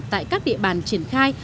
tại các địa bàn triển khai